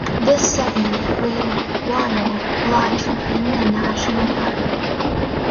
This segment, rated "wild", lies within the national park.